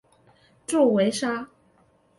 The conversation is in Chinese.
祝维沙被社会认可为成功的民营企业家。